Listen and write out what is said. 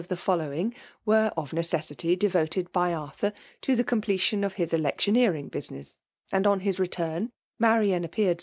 the' l<dlawiog, were of necessity devoted by Arthur tp the completion of his electioneering bust* n^9s; ax%d on. his return^ Marian appeared.